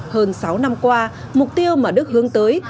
hơn sáu năm qua mục tiêu mà đức hướng tới